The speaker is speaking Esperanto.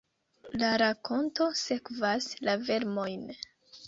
La rakonto sekvas la vermojn.